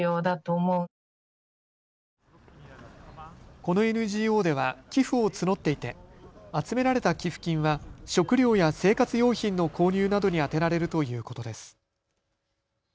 このＮＧＯでは寄付を募っていて集められた寄付金は食料や生活用品の購入などに充てられるということです。